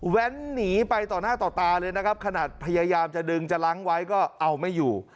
หนีไปต่อหน้าต่อตาเลยนะครับขนาดพยายามจะดึงจะล้างไว้ก็เอาไม่อยู่